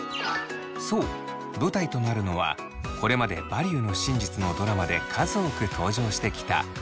そう舞台となるのはこれまで「バリューの真実」のドラマで数多く登場してきた鉢涼学園。